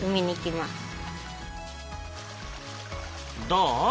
どう？